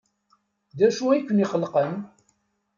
D acu ay ken-iqellqen?